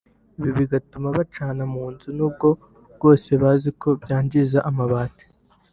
Ibi bigatuma bacana mu nzu n’ubwo bwose bazi ko byangiza amabati